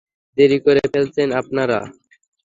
দেরি করে ফেলছেন আপনারা।